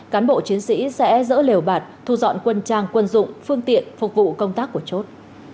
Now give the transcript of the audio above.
cán bộ chiến sĩ sẽ dỡ lều bạt thu dọn quân trang quân dụng phương tiện phục vụ công tác của chốt